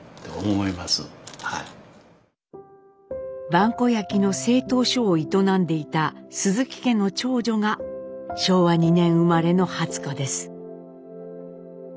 萬古焼の製陶所を営んでいた鈴木家の長女が昭和２年生まれの初子です。